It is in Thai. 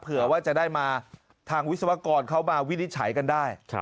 เผื่อว่าจะได้มาทางวิศวกรเข้ามาวินิจฉัยกันได้